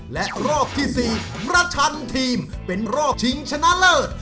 และรอบที่๔ประชันทีมเป็นรอบชิงชนะเลิศ